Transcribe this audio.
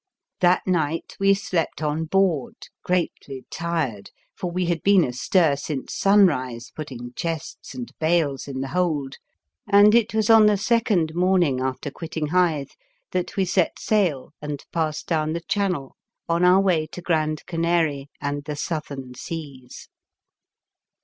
That night we slept on board, greatly tired, for we had been astir since sun rise putting chests and bales in the 6 , The Fearsome Island hold, and it was on the second morn ing after quitting Hythe that we set sail and passed down the Channel on our way to Grand Canary and the Southern Seas.